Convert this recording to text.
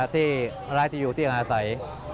ที่รายอยู่ที่หงาใส